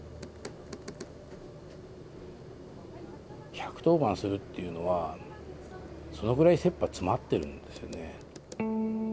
１１０番するっていうのはそのぐらいせっぱ詰まってるんですよね。